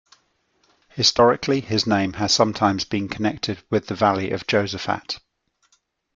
Historically, his name has sometimes been connected with the Valley of Josaphat.